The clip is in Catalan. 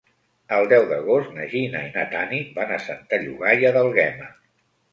El deu d'agost na Gina i na Tanit van a Santa Llogaia d'Àlguema.